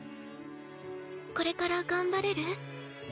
これから頑張れる？